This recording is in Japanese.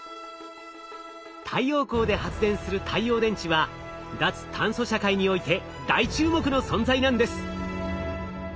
太陽光で発電する太陽電池は脱炭素社会において大注目の存在なんです。